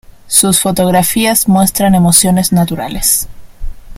Sus fotografías muestran emociones naturales.